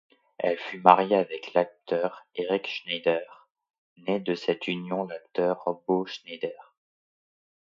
Elle fut marié avec l'acteur Eric Schneider, naît de cette union l'acteur Beau Schneider.